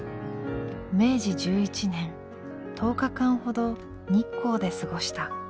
明治１１年１０日間ほど日光で過ごした。